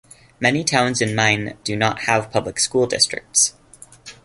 Many towns in Maine do not have public school districts.